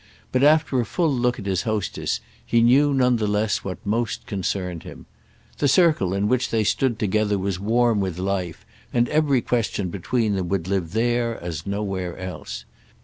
But after a full look at his hostess he knew none the less what most concerned him. The circle in which they stood together was warm with life, and every question between them would live there as nowhere else.